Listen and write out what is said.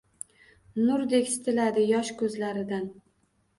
Nurdek sitiladi yosh koʻzlaridan.